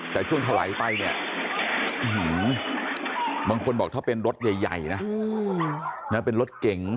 แต่ช่วงถวายไปเนี่ยบางคนบอกถ้าเป็นรถใหญ่นะเป็นรถเก๋ง